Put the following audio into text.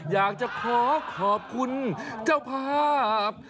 อยากจะขอขอบคุณเจ้าภาพ